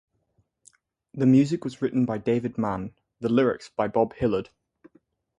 The music was written by David Mann; the lyrics, by Bob Hilliard.